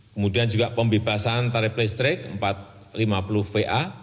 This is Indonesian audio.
kemudian juga pembebasan tarif listrik rp empat ratus lima puluh va